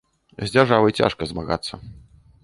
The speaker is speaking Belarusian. З дзяржавай цяжка змагацца.